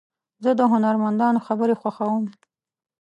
زه د هنرمندانو خبرې خوښوم.